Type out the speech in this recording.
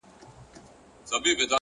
هوډ د لارې دوړې نه ویني.